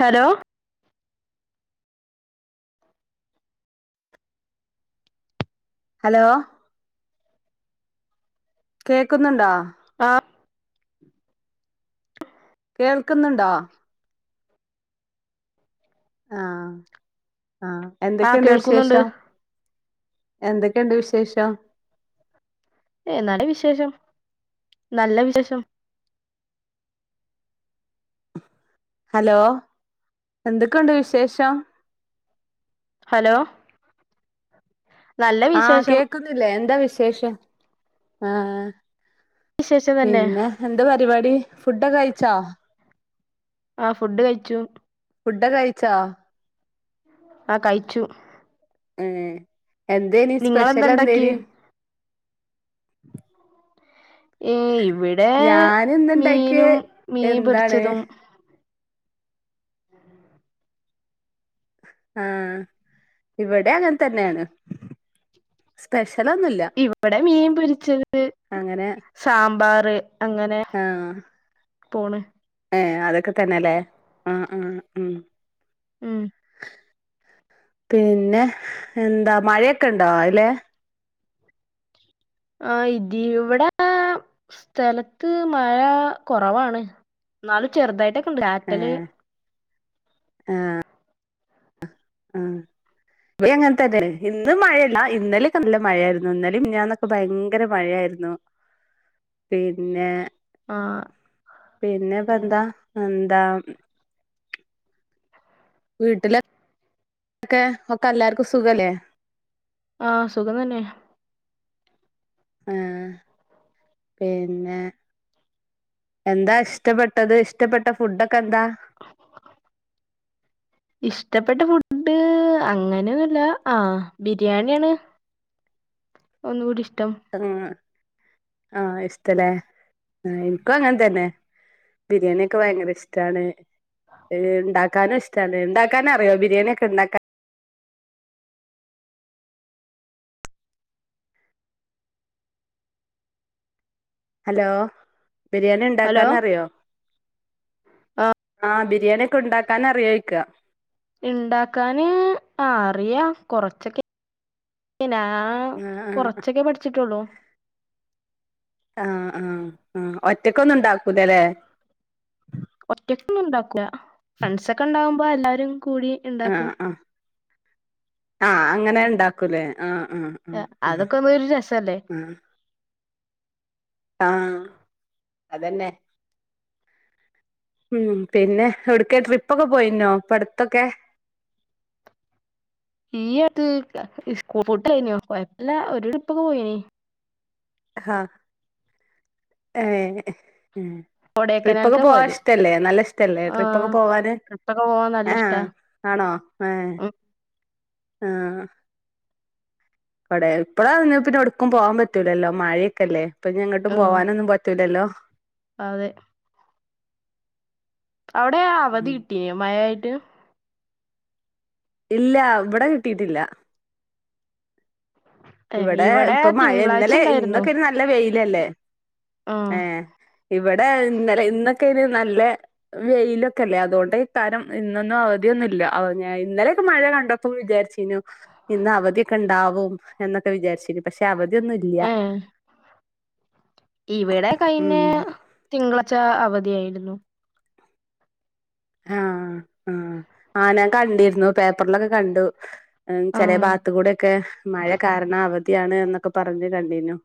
Hello hello കേക്കുന്നുണ്ടോ ആ [inaudible] കേൾക്കുന്നുണ്ടോ ആ ആഹ ആ എന്തൊക്കെയുണ്ട് കേൾക്കുന്നുണ്ട് വിശേഷം എന്തൊക്കെയുണ്ട് വിശേഷം എന്നാല വിശേഷം നല്ല വിശേഷം ഹലോ എന്തൊക്കെയുണ്ട് വിശേഷം ഹലോ നല്ല ആ വിശേഷം കേക്കുന്നില്ലേ എന്താ വിശേഷം ആ വിശേഷം തന്നെ പിന്നെ എന്താ പരിപാടി ഫുഡൊക്കെ കഴിച്ചോ ആ ഫുഡ് കഴിച്ചു ഫുഡ് ക്കെ കഴിച്ചോ ആ കഴിച്ചു ഏ എന്തേനി സ്പെഷ്യൽ നിങ്ങളെന്താ എന്തേ നി ഉണ്ടാക്കിയേ [inaudible] ഇ ഇവിടെ ഞാന് ഇന്നുണ്ടാക്കിയെ മീനും മീൻ എന്താണ് പൊരിച്ചതും ആ ഇവിടെ അങ്ങനെ തന്നെയാണ് സ്പ ഇവിടെ മീൻ പൊരിച്ചത് സാമ്പാർ [unintelligible] ആ പോണ് ഏ അതൊക്കെ തന്നെല്ലേ ആ ആ ഉം ഉം പിന്നെ എന്താ മഴയൊക്കെ ഉണ്ടോ അതിലേ? ആ ഇതി ഇവിടെക സ്ഥലത്ത് മഴ കൊറവാണ് ന്നാലും ചെറുതായിട്ട് ഏ ആ ആ ഇവിടെ അങ്ങനെ തന്നെ ഇന്ന് മഴല്ല ഇന്നലെക്കെ നല്ല മഴയായിരുന്നു ഇന്നലെ മിനിഞ്ഞാന്നും ഒക്കെ ഭയങ്കര മഴയായിരുന്നു പിന്നെ ആ പിന്നെപ്പന്താ എന്താ വീട്ടിലൊക്കെ ഒക്കെ എല്ലാർക്കും സുഖല്ലേ? ആ സുഖം തന്നെ ആ പിന്നെ എന്താ ഇഷ്ടപ്പെട്ടത് ഇഷ്ടപ്പെട്ട ഫുഡൊ ഇഷ്ടപ്പെട്ട ഫു ഡ്‌ അങ്ങനെന്നുല്ല ആ ബിരിയാണിയാണ് ഒന്നുകൂടി ഇഷ് തും ആ എസ് ഇഷ്ടലേ ആ ഇൻക്കും അങ്ങനെ തന്നെ ബിരിയാണിയെക്കെ ഭയങ്കര ഇഷ്ടാണ് ഉണ്ടാക്കാനും ഇഷ്ടാണ് ഉണ്ടാക്കാന് അറിയോ ബിരിയാണിക്കെ ഇണ്ടാക്കാ ഹലോ ബിരിയാണി ഹലോ ഉണ്ടാക്കാൻ അറിയോ ബിരിയാണിയൊക്കെണ്ടാക്കാൻ അറിയോയിക്കാ ഇണ്ടാക്കാന് ആ അറിയാം കൊറച്ചൊക്കെ [unintelligible] ഞാ ആഹ് കൊറച്ചൊക്കെ പഠിച്ച് ട്ടെള്ളൂ ആ ആആ ഒറ്റക്കൊന്നും ഉണ്ടാക്കൂലല്ലേ ഒറ്റക്ക് ഒന്നും ഉണ്ടാക്കൂല ഫ്രണ്ട്സ് ഒക്കെ ഉണ്ടാകുമ്പോ എല്ലാരും കൂടി ആ ഇണ്ടാക്കും ആ ആ അങ്ങനെ ഇണ്ടാക്കൂലേ ആ ആ ആ ആ അതൊക്കെ ഒന്നും ഒരു രസല്ലേ ആ ആ അതന്നേ ഉം പിന്നെ എവ്‌ട്ക്കേ ട്രിപ്പൊക്കെ പോയിന്നോ ഇപ്പ അടുത്തൊക്കെ ഈ അട്ത്ത് സ്കൂൾ പൂട്ടാലേനിയൊ കൊഴപ്പല്ല്യ ഒരു ട്രിപ്പൊക്ക പോയിനി ആ ഏ ട്രിപ്പൊക്കെ കൊടേക്കനാൽക്കാ പോവാൻ പോയത് ഇഷ്ടല്ലേ നല്ല ഇഷ്ടല്ലേ ട്രിപ്പൊക്കെ ആഹ് പോവാന് ട്രിപ്പൊക്കെ പോവാൻ നല്ല ആ ഇഷ്ടാ ആണോ ഏ ഉം ആ [unintelligible] ഇപ്പള പിന്നേ പിന്നെ ഒടുക്കും പോവാൻ പറ്റൂലല്ലോ മഴയൊക്കെല്ലേ ഇപ്പം ഇഞ്ഞി എങ്ങട്ടും ഉം പോവാനൊന്നും പറ്റൂലല്ലോ അതെ അവിടെ അവധി ഉം കിട്ടീനോ മഴ ആ ട്ട് ഇല്ല ഇവടെ കിട്ടിട്ടില്ല ഏ ഇവടെ ഇവിടെ ഇപ്പൊ മഴ തിങ്കളാഴ്ച ഇന്നലെ ഉണ്ടായിരുന്നു ഇന്നൊക്കെ നല്ല വെ ഇല്ലല്ലേ ആ ഏ ഇവിടെ ഇന്നലെ ഇന്നൊക്കെ അയിന് നല്ല വെയിലൊക്കെല്ലേ അതോണ്ടയ്താരം ഇന്നൊന്നും അവധിയൊന്നില്ല [unintelligible] ഇന്നലയൊക്ക മഴ കണ്ടപ്പം വിചാരിചീനു ഇന്ന് അവധിയൊക്കെ ഉണ്ടാവും എന്നൊക്കെ വിചാരിച്ചിനു പക്ഷെ അവ ഇതൊന്നുംല്ല ഏ ഇവിടെ കഴിനേ തിങ്കളായിച്ച അവധി ദേ ആയിരുന്നു ആ ആ ആ നാ കണ്ടിരുന്നു പേപ്പറിലൊക്കെ കണ്ടു ആ ചെല ഭാഗത്ത് കൂടെക്കെ മഴ കാരണം അ ഇയാണ് എന്നൊക്കെ പറഞ്ഞു കണ്ടിന്നു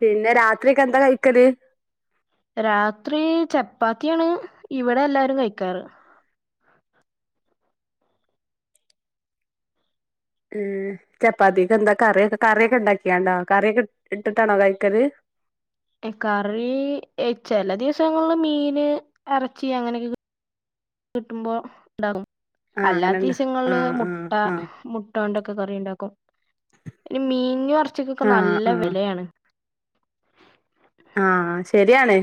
പിന്നെ രാത്രിക്ക എന്താ കഴിക്കല് രാത്രി ചപ്പാത്തിയാണ് ഇവിടെ എല്ലാരും കഴിക്കാറ് മ് ചപ്പാത്തിക്ക് എന്താ കറിയൊക്ക കറിയൊക്ക ഉണ്ടാക്കിയാണ്ടോ കറിയൊക്ക ഇട്ടിട്ടാണോ കഴിക്കത് കറി ചെല ദിവസങ്ങള് മീന് എറച്ചി അങ്ങനെയൊക്കെ കി കിട്ടുമ്പോൾ ഉണ്ടാകും ആഹ് അങ്ങനെണ്ട് അല്ലാത്തീസങ്ങള്ള് ആഹ് ആഹ് മുട്ട ആഹ് മുട്ടാന്റെ ഒര് മീനും ഇറ [unintelligible] ആഹ് നല്ല ആഹ് വെലയാണ് ആഹ് ശരിയാണ്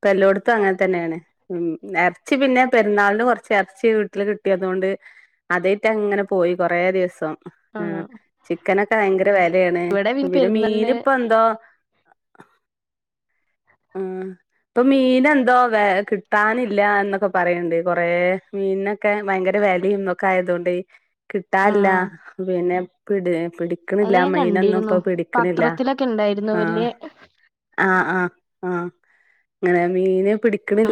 പ്പ എല്ലോട്ത്തും അങ്ങൻ തന്നേണ് ഉ ഇറച്ചി പിന്നെ പെരുന്നാളിന് കൊറച്ച് ഇറച്ചി വീട്ടിൽ കിട്ടിയതുകൊണ്ട് അതേയിറ്റ് അങ്ങനെ പോയി കൊറേ ദിവസം ആ ചിക്കനൊക്കെ ഭയങ്കര വെലേണ് ഇവിടെ പിന്നെ മീന് പെരുന്നാളിന് ഇപ്പൊ എന്തോ ആ ഇപ്പം മീന് എന്തൊ വേ കിട്ടാനില്ല എന്നൊക്കെ പറയണ്ട് കൊറേ മീൻനൊക്കെ ഭയങ്കര വേലിം ഇന്നൊക്കെ ആയതുകൊണ്ട് ആ കിട്ടാല്ല പിന്നെ പിടെ അത് പിടിക്കണില്ല ഞാൻ മീനൊന്നും കണ്ടിരുന്നു ഇപ്പൊ പിടിക്കണില്ല പത്രത്തിലൊക്കെ ഉണ്ടായിരുന്നു ആ വലിയ ആ ആ ആ അങ്ങനെ മീന്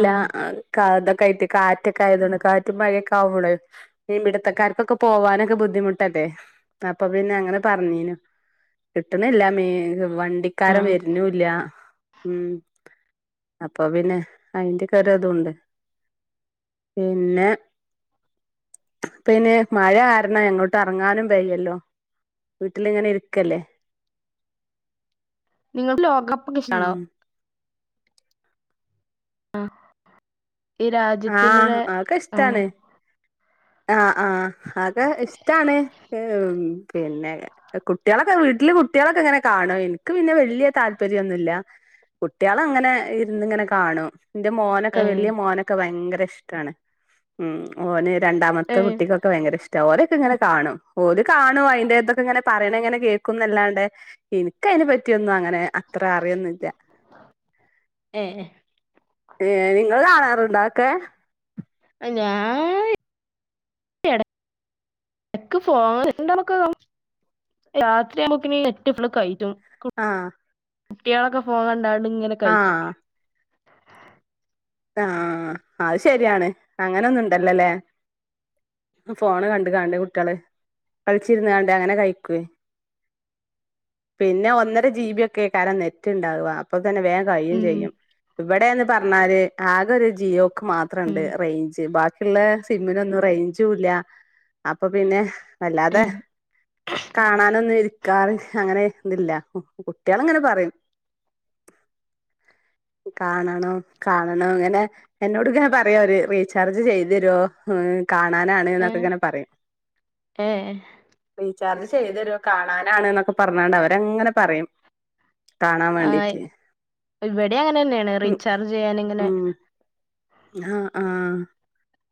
ആ [unintelligible] ക്കയിട്ട് കാറ്റൊക്കെ ആയതൊണ്ട് കാറ്റും, മഴയൊക്കെ ആവുമ്പളെ മീൻ പിടുത്തക്കാർക്കൊക്കെ പോവാനൊക്കെ ബുദ്ധിമുട്ടല്ലേ അപ്പൊ പിന്നെ അങ്ങനെ പറഞ്ഞീനു കിട്ടണില്ല മീ വണ്ടിക്കാരം ആ വരുന്നുല്ല ഉം അപ്പൊ പിന്നെ അയിന്റെക്ക ഒരുതുണ്ട് പിന്നെ പിന്നെ മഴ കാരണം എങ്ങോട്ട് എറങ്ങാനും വയ്യല്ലോ വീട്ടിലിങ്ങനെ ഇരിക്കല്ലേ. നിങ്ങൾ ക്ക് ലോകകപ്പ് ഒക്കെ ഇഷ്ടാണോ? ഉം ആ ആ അതൊക്കെ ഇഷ്ടാണ് ആ ആ ഹത് ഇഷ്ടാണ് പിന്നെ കുട്യോളൊക്കെ വീട്ടില് കുട്ടികളൊക്കെ ഇങ്ങനെ കാണും ഇൻക്ക് പിന്നെ വല്ല്യ താല്പര്യന്നുല്ല കുട്ടിയള അങ്ങനെ ഇരുന്ന് ഇങ്ങനെ കാണും എന്റെ മോനൊക്കെ ഏഹ് വലിയ മോന ഭയങ്കര ഇഷ്ട്ടാണ് ഉം ഓന് രണ്ടാമത്തെ ഏഹ് കുട്ടിക്കൊക്കെ വയങ്കര ഇഷ്ടാ ഓള് ഇങ്ങനെ കാണും ഓള് കാണും അയിന്റെ ഇതൊക്കെ ഇങ്ങനെ പറയണ ഇങ്ങനെ കേൾക്കുംന്നല്ലാണ്ട് ഇനിക്ക അതിനെ പറ്റിയൊന്നും അങ്ങനെ അത്ര അറിയന്നില്ല ഏ ഏ നിങ്ങൾ കാണാറുണ്ടൊ അവൊക്കെ ഞാ എടക്ക് [inaudible] ഫോണ് [unintelligible] രാത്രി ആവുമ്പോക്കിന് നെറ്റ് ഫുൾ കജ്ജും ആഹ് കുട്ടിയോളൊക്കെ ഫോൺ കണ്ടാ ഇങ്ങനെ കഴിച്ച ആ അത് ശരിയാണ് അങ്ങനൊന്ന് ഇണ്ടല്ലോല്ലേ ഫോണ് കണ്ട് കാണ്ട് കുട്യോള് കളിച്ചിരുന്ന് കാണ്ട് അങ്ങനെ കയ്ക്കൊയ് പിന്നെ ഒന്നര ജി ബി ഒക്കെക്കാരം നെറ്റ് ഉണ്ടാവ അപ്പൊ വേം കഴിയും ഉം ചെയ്യും ഇവിടെ പറണ്ണാല് ആകൊരു ജിയോ ക്ക് മാത്രണ്ട് ഉം റേഞ്ച് ബാക്ക് ള്ള സിമ്മിനൊന്നും റേഞ്ചൂല്ല അപ്പൊ പിന്നെ വല്ലാതെ കാണാനൊന്നും ഇരിക്കാറ് അങ്ങനെ തില്ല കുട്ടികള അങ്ങനെ പറയും കാണണണോ കാ ണോ അങ്ങനെ എന്നോട്ങ്ങെനെ പറയവര് റീചാർജ് ചെയ്ത് തരോ കാണാനാണ്ന്നൊക്കെ ഏഹ് ഇങ്ങനെ പറയും ഏഹ് ചാർജ് ചെയ്തേരോ കാണാനാണ് ന്നൊക്കെ പറഞ്ഞാണ്ട് അവരങ്ങനെ പറയും കാണാൻ ആ വേണ്ടീട്ട് ഇവിടിം അങ്ങനെന്നേണ് റീചാർജ് ചെയ്യാന് അങ്ങനെ ആ ആ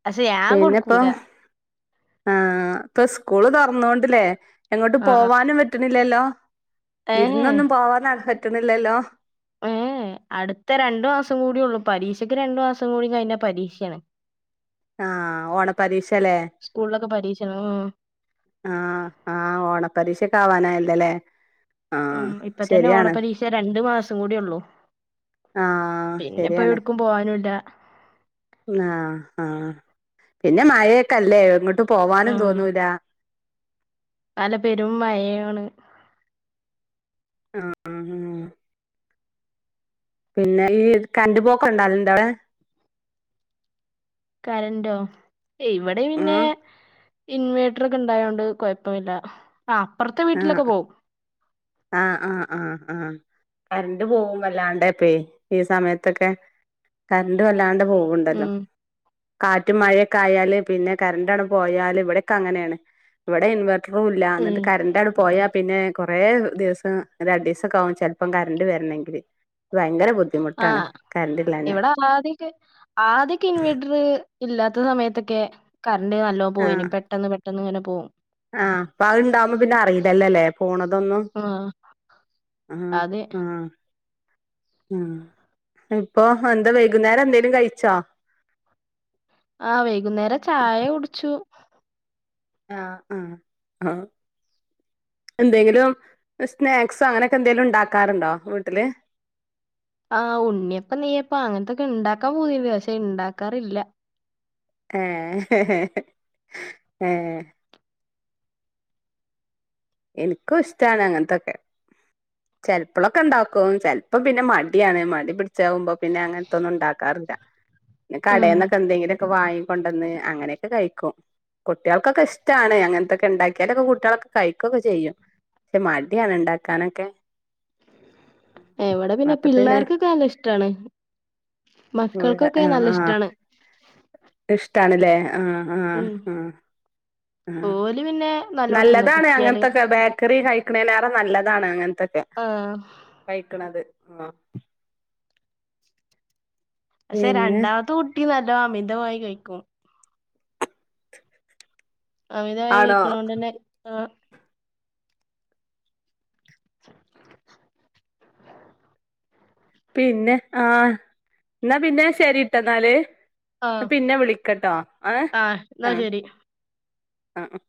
പക്ഷേഞാൻ കൊടുക്കൂല ആ ഇപ്പൊ സ്കൂള് തൊറന്നോണ്ട് ലേ എങ്ങോട്ട് ആഹ് പോവാനും പറ്റ്ണില്ലല്ലോ ഏഹ് വിരുന്നൊന്നും പോവാനാ പറ്റ്ണ് ല്ലല്ലോ ഏ അടുത്ത രണ്ടു മാസം കൂടിയൊള്ളു പരീക്ഷയ്ക്ക് രണ്ടു മാസം കൂടി കഴിഞ്ഞാ പരീക്ഷേണ് ആ ഓണ പരീക്ഷ ലേ സ്കൂളിലൊക്കെ പരീക്ഷയാണ് ഉം ആ ആ ഓണപരീക്ഷക്കെആവാനായല്ല ലേ ഉം ഇപ്പ തന്നെ ഓണ പരീക്ഷ രണ്ടു മാസം കൂടി ഉള്ളൂ ആഹ് പിന്നെപ്പോ ശരിയാണ് എവിടക്കും പോവാനുംല്ല ആഹ് ആഹ് പിന്നെ മയെക്കെ അല്ലേ എങ്ങട്ടും പോവാനും തോന്നൂല അല്ല പെരും മഴയാണ് ആ ആ ഹാ പിന്നെ ഈ കരന്റ് പോക്ക് ഉണ്ടാകല് ഉണ്ടോ അവിടെ കറണ്ട് ഓ ഏ ഇവിടെ പിന്നെ ആഹ് ഇൻവേർട്ടർ ഒക്കെ ഇണ്ടായോണ്ട് കുഴപ്പമില്ല ആ അപ്പുറത്തെ വീട്ടിലൊക്കെ പോവും ആ ആ ആ ആ കറണ്ട്പോകും ഈ സമയത്തൊക്കെ കറണ്ട് വല്ലാണ്ട്- പോവണ്ടല്ലോ ഉം കാറ്റുംമഴയൊക്കെ ആയാല് പിന്നെ കരണ്ട് ആണ്ട് പോയാല് ഇവിടെ ക്കെ അങ്ങനെയാണ് ഇവിടെ ഇൻവട്ടർ- റും ഇല്ല ഉം [inaudible] കറണ്ട് അങ്ങ് പോയാൽ പിന്നെ കുറേ ദിവസം രണ്ടു ദിവസം ഒക്കെ ആകും ചിൽപ്പംകറണ്ട് വരണമെങ്കില് ആ ഇവിടെ [unintelligible] ആദ്യക്കെ ഇൻവേർട്ടർ- ഇല്ലാത്ത സമയത്തൊക്കെ- കറണ്ട് നല്ലോ പോയിപെട്ടെന്ന് പെട്ടെന്ന് ഇങ്ങനെ പോവും ആഇപ്പഅഹ്ഇണ്ടാവുമ്പോ പിന്നെ അറിയില്ലല്ലല്ലേ പോണതൊന്നും ആഹ് ആ അതെ ആ ഉ ഇപ്പൊ എന്താ വൈകുന്നേരം എന്തേലും കഴിച്ചോ ആവൈകുന്നേരം ചായ കുടിച്ചു ആ ആ ആ എന്തെങ്കിലും സ്നാക്സോ അങ്ങനെയൊക്കെ എന്തെങ്കിലും ഉണ്ടാക്കാറുണ്ടോ വീട്ടില് ആ ഉണ്ണിയപ്പം നെയ്യപ്പം അങ്ങനത്തൊക്കെ ഉണ്ടാക്കാൻ പൂ തിണ്ട് പക്ഷേ ഇണ്ടാക്കാറില്ല ഏ ഇനിക്കും ഇഷ്ടാണ് അങ്ങനത്തൊക്കെ ചെലപ്പോളൊക്കെ ഉണ്ടാക്കും ചെലപ്പോം പിന്നെ മടിയാണ് മടി പിടിച്ചാവുമ്പോ പിന്നെ അങ്ങനത്തൊന്നും ഉണ്ടാക്കാറില്ല പിന്നെ ഉം കടയിന്നൊക്കെ എന്തെങ്കിലൊക്കെ വാങ്ങ കൊണ്ടന്ന് അങ്ങനെയൊക്കെ കഴിക്കും കുട്ടികൾക്കൊക്കെ ഇഷ്ടാണ് അങ്ങനത്തൊക്കെ ഉണ്ടാക്കിയാലൊക്കെ കുട്ടികളൊക്കെ കഴിക്കും കഴിക്കുക ഒക്കെ ചെയ്യും പക്ഷെ മടിയാണ്ഉണ്ടാക്കാനൊക്കെ ഇവിടെ പിന്നെ പിള്ളേർക്കൊക്കെ നല്ല ഇഷ്ടാണ് മക്കൾക്കൊക്കെ ആ നല്ല ഇഷ്ടാണ് ഇഷ്ട്ടം ആണില്ലേ ആഹ് ആ ഉം ആ ആ ഓല് പിന്നെ നല്ലോ തിന്നും നല്ലതാണ് കിട്ടിയാല്. അങ്ങനത്തെൊക്കെ ബേക്കറി കൈ- ലേറെ [unintelligible] നല്ലതാണ് അങ്ങനെ- അതൊക്കെ ആഹ് കഴിക്കണത് ആ പക്ഷെ പിന്നെ രണ്ടാമത്തെ കുട്ടി നല്ല [unintelligible] അമിതമായി കഴിക്കും അമിതായി ആണോ കഴിക്കുണോണ്ടെന്നെ ആ പിന്നെ ആഹ് ന്നാ പിന്നെ ശരിട്ടോ എന്നാല് ആഹ് പിന്നെ വിളിക്കട്ടോ ആഹ് ന്നാ ആഹ് ശരി. ആ ഉം